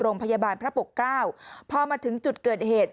โรงพยาบาลพระปกเกล้าพอมาถึงจุดเกิดเหตุ